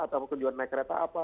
atau tujuan naik kereta apa